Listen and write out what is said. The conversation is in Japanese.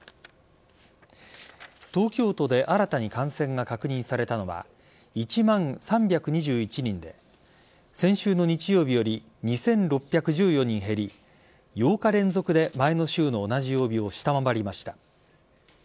東京都で新たに感染が確認されたのは１万３２１人で先週の日曜日より２６１４人減り８日連続で前の週の同じ曜日を下回りました。